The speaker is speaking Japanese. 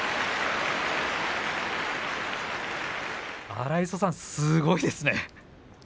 荒磯さん、すごいですね。